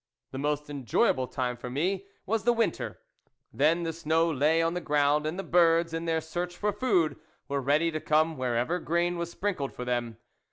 The most enjoyable time for me was the winter ; then the snow lay on the ground, and the birds, in their search for food, were ready to come wherever grain THE WOLF LEADER" was sprinkled for them.